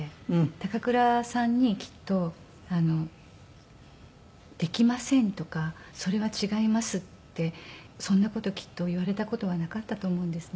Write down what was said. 高倉さんにきっと「できません」とか「それは違います」ってそんな事きっと言われた事はなかったと思うんですね。